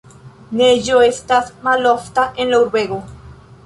Neĝo estas malofta en la urbego.